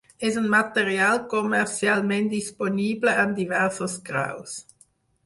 És un material comercialment disponible en diversos graus.